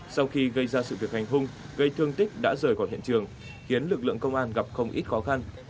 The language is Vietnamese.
sau khi gây ra sự việc hành hung gây thương tích đã rời khỏi hiện trường khiến lực lượng công an gặp không ít khó khăn